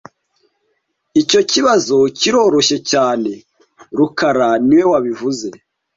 Icyo kibazo kiroroshye cyane rukara niwe wabivuze